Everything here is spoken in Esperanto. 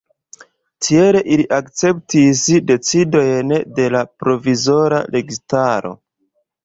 Tiel ili akceptis decidojn de la provizora registaro.